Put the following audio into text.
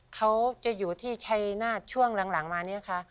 เขาจะอยู่ที่ชัยนาฏช่วงหลังวานี้นะคะ